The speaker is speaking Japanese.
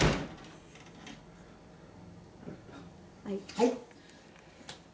「はい！」